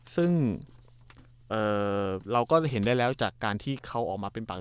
ซึ่งเราก็เห็นได้แล้วจากการที่เขาออกมาเป็นปาก